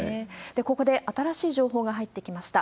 ここで、新しい情報が入ってきました。